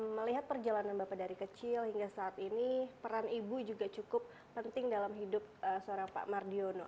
melihat perjalanan bapak dari kecil hingga saat ini peran ibu juga cukup penting dalam hidup seorang pak mardiono